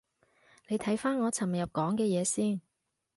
你睇返我尋日講嘅嘢先